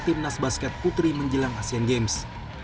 tim nas basket putri menjelang asian games